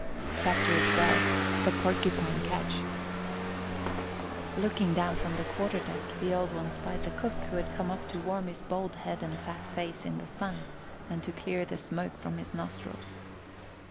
CHAPTER XII THE PORCUPINE KETCH Looking down from the quarter deck the Old One spied the cook, who had come up to warm his bald head and fat face in the sun and to clear the smoke from his nostrils.